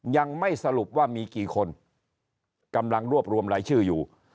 ยังไม่สรุปว่ามีกี่คนกำลังรวบรวมรายชื่ออยู่